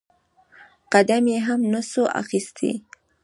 قدم يې هم نسو اخيستى.